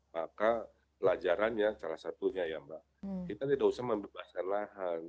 maka pelajarannya salah satunya ya mbak kita tidak usah membebaskan lahan